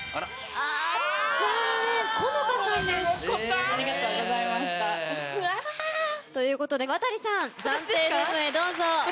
ありがとうございましたうわ！ということで渡さん暫定ルームへどうぞ。